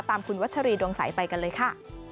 ตามคุณวัชรีดวงใสไปกันเลยค่ะ